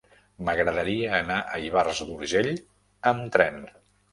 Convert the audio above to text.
M'agradaria anar a Ivars d'Urgell amb tren.